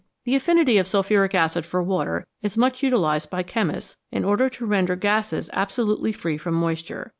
The affinity of sulphuric acid for water is much utilised by chemists in order to render gases absolutely free from moisture.